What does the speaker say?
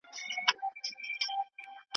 موږ انګیرلی سو چي زېربنا ایښودل سوې ده.